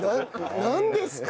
なんですか？